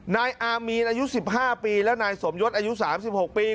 นายอามีนอายุ๑๕ปีและนายสมยศอายุ๓๖ปี